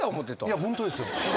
いやホントですよ。